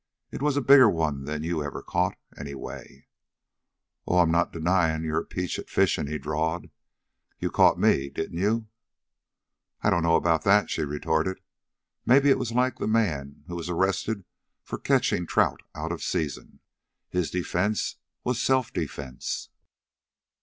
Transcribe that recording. "It was a bigger one than you ever caught anyway." "Oh, I 'm not denyin' you're a peach at fishin'," he drawled. "You caught me, didn't you?" "I don't know about that," she retorted. "Maybe it was like the man who was arrested for catching trout out of season. His defense was self defense."